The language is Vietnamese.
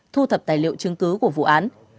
thu thập tài liệu chứng cứ của vụ án